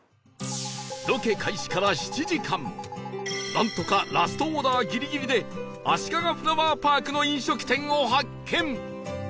なんとかラストオーダーギリギリであしかがフラワーパークの飲食店を発見